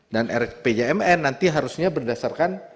dan rpjmn nanti harusnya berdasarkan